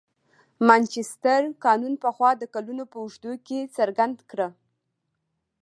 مانچستر قانون پخوا د کلونو په اوږدو کې څرګنده کړه.